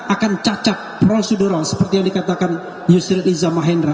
akan cacat prosedural seperti yang dikatakan yusril iza mahendra